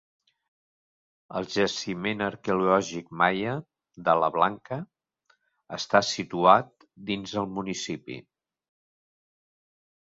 El jaciment arqueològic maia de La Blanca està situat dins el municipi.